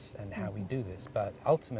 dan cara kita melakukan ini